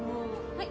はい。